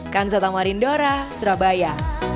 kansatamarin dora surabaya